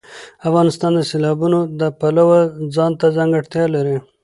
افغانستان د سیلابونه د پلوه ځانته ځانګړتیا لري.